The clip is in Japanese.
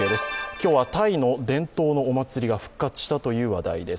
今日はタイの伝統のお祭りが復活したという話題です。